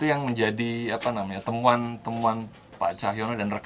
yang salah satu antara para pekerja yang hetero itu